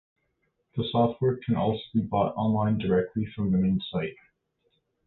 The software can also be bought online directly from the main site.